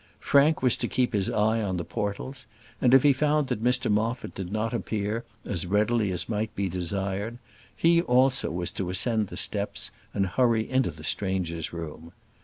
Frank was to keep his eye on the portals, and if he found that Mr Moffat did not appear as readily as might be desired, he also was to ascend the steps and hurry into the strangers' room.